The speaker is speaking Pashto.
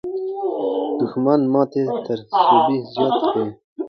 دښمن ماته تر سوبې زیاته خوړه.